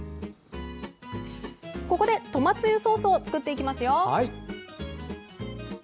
ここでトマつゆソースを作っていきます。